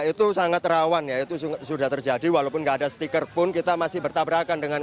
itu sangat rawan ya itu sudah terjadi walaupun nggak ada stiker pun kita masih bertabrakan dengan